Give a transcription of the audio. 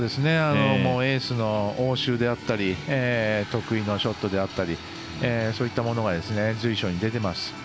エースの応酬であったり得意のショットであったりそういったものが随所に出ています。